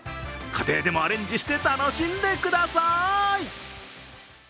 家庭でもアレンジして楽しんでください。